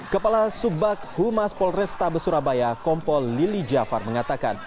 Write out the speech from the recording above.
kepala subak humas polresta besurabaya kompol lili jafar mengatakan